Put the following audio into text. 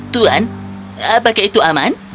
tuan apakah itu aman